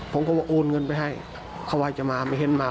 ผมก็ว่าโอนเงินไปให้เขาว่าจะมาไม่เห็นมา